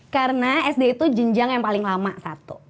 karena sd itu jenjang yang paling lama satu